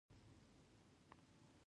خلک اوس په بې ګټې ژباړو وخت ضایع کوي.